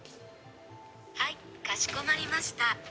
はいかしこまりました。